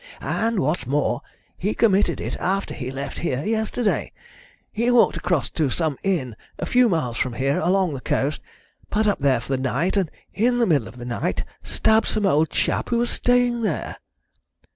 "And, what's more, he committed it after he left here yesterday. He walked across to some inn a few miles from here along the coast, put up there for the night, and in the middle of the night stabbed some old chap who was staying there."